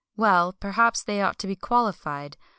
Well, perhaps, they ought to be qualified.